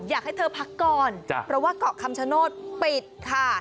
อยากให้เธอพักก่อนเพราะว่าเกาะคำชโนธปิดค่ะ